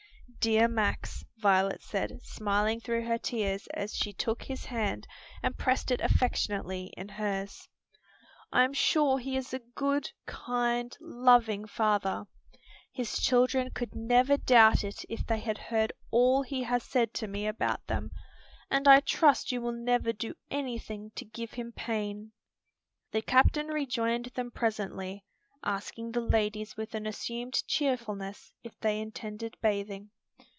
"Dear Max," Violet said, smiling through her tears as she took his hand and pressed it affectionately in hers. "I am sure he is a good, kind, loving father; his children could never doubt it if they had heard all he has said to me about them, and I trust you will never do anything to give him pain." The captain rejoined them presently, asking the ladies with an assumed cheerfulness if they intended bathing.